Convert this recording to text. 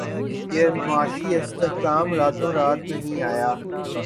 یہ معاشی استحکام راتوں رات نہیں آیا